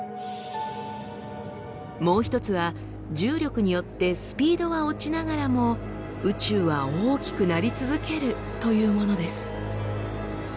もう一つは重力によってスピードは落ちながらも宇宙は大きくなり続けるというものです。